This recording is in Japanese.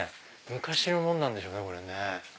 昔のものなんでしょうね。